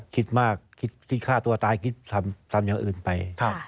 คิดมากคิดที่ฆ่าตัวตายคิดทำอย่างอื่นไป